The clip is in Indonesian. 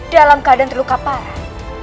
dalam keadaan terluka parah